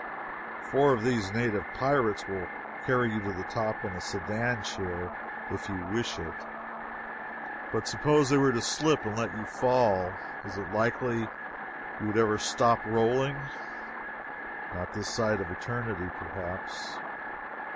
Four of these native pirates will carry you to the top in a sedan chair, if you wish it, but suppose they were to slip and let you fall, is it likely that you would ever stop rolling? Not this side of eternity, perhaps.